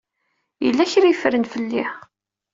Yella kra ay ffrent fell-i?